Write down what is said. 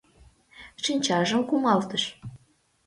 Шинчажым кумалтыш.